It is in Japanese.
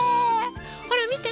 ほらみて！